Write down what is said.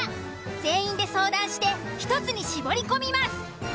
全員で相談して１つに絞り込みます。